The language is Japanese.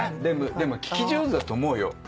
でも聞き上手だと思うよ。